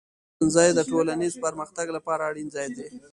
ښوونځی د ټولنیز پرمختګ لپاره اړین ځای دی.